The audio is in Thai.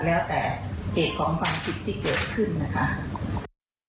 แล้วแต่เหตุของความผิดที่เกิดขึ้นนะคะ